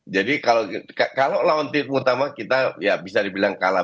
kalau lawan tim utama kita ya bisa dibilang kalah